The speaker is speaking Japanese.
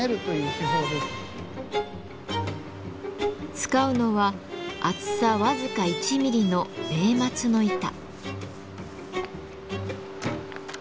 使うのは厚さ僅か１ミリの米松の板。